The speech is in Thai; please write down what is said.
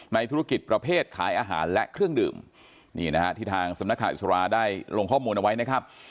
ธุรกิจประเภทขายอาหารและเครื่องดื่มนี่นะฮะที่ทางสำนักข่าวอิสราได้ลงข้อมูลเอาไว้นะครับ